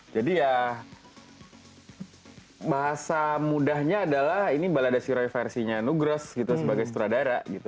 jadi ya bahasa mudahnya adalah ini baladashiroi versinya nugros gitu sebagai sutradara gitu